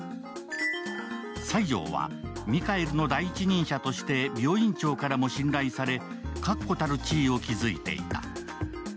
西條はミカエルの第一人者として病院長からも信頼され確固たる地位を築いていた。